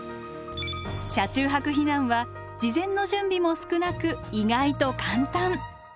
車中泊避難は事前の準備も少なく意外と簡単。